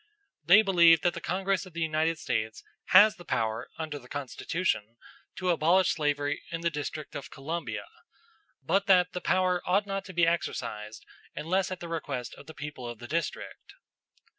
"They believe that the Congress of the United States has the power, under the Constitution, to abolish slavery in the District of Columbia, but that the power ought not to be exercised, unless at the request of the people of the District."